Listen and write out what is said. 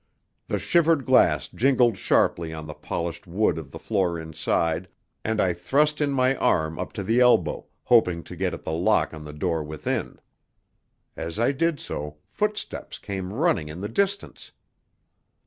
The shivered glass jingled sharply on the polished wood of the floor inside, and I thrust in my arm up to the elbow, hoping to get at the lock on the door within. As I did so footsteps came running in the distance.